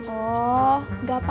oh enggak papa